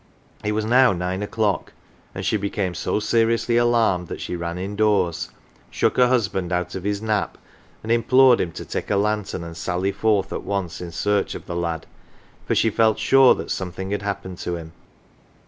It was now nine o'clock, and she became so seriously alarmed that she ran indoors, shook her husband out of his nap, and implored him to take a lantern, and sally forth at once in search of the lad, for she felt sure that something had happened to him.